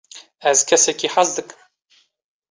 ez kesekî hez dikim